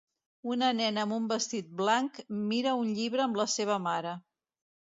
Una nena amb un vestit blanc mira un llibre amb la seva mare.